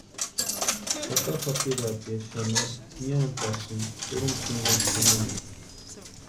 Tata sapirhatiecha xanharu niantasïnti turhumpa jinkoni chʼanani.